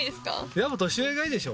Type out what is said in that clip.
やっぱ年上がいいでしょ？